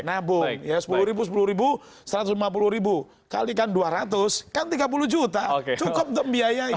nabung ya sepuluh ribu sepuluh ribu satu ratus lima puluh ribu kali kan dua ratus kan tiga puluh juta cukup untuk membiayai